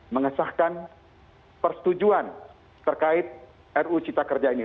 mengesahkan persetujuan terkait ru cita kerja ini